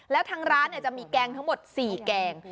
แล้วทางร้านจะมีแกงทั้งหมด๔แกง